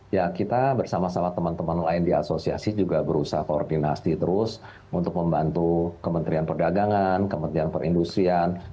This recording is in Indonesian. ya kita bersama sama teman teman lain di asosiasi juga berusaha koordinasi terus untuk membantu kementerian perdagangan kementerian perindustrian